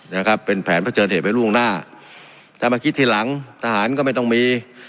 นะครับเป็นแผนเผชิญเหตุไว้ล่วงหน้าถ้ามาคิดทีหลังทหารก็ไม่ต้องมี